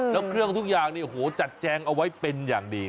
แล้วเครื่องทุกอย่างจัดแจงเอาไว้เป็นอย่างดี